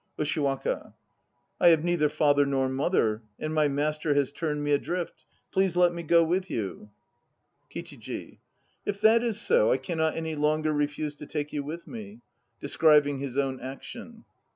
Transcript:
USHIWAKA. I have neither father nor mother, and my master has turned me adrift. Please let me go with you. 70 THE NO PLAYS OF JAPAN KICHIJI. If that is so, I cannot any longer refuse to take you with me. (De scribing his own action.)